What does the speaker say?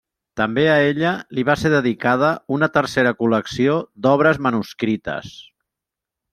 També a ella li va ser dedicada una tercera col·lecció d'obres manuscrites.